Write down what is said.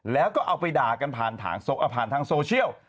แล้วก็เอาไปด่ากันผ่านทางโซเชียล